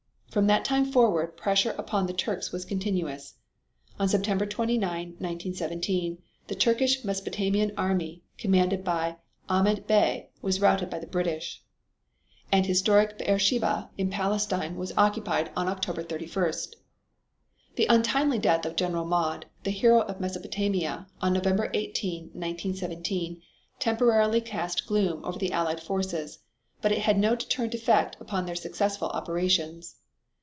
From that time forward pressure upon the Turks was continuous. On September 29, 1917, the Turkish Mesopotamian army commanded by Ahmad Bey was routed by the British, and historic Beersheba in Palestine was occupied on October 31st. The untimely death of General Maude, the hero of Mesopotamia, on November 18, 1917, temporarily cast gloom over the Allied forces but it had no deterrent effect upon their successful operations.